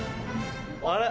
あれ？